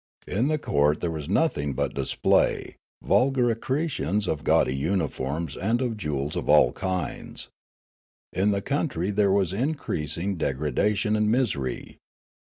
In the court there was no thing but display, vulgar accretions of gaudy uniforms and of jewels of all kinds. In the countr}^ there was increasing degradation and misery.